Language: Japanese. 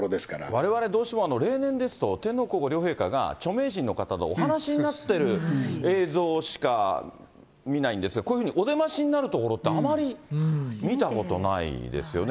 われわれどうしても、例年ですと、天皇皇后両陛下が、著名人の方とお話しになってる映像しか見ないですが、こういうふうにお出ましになるところって、あまり見たことないですよね。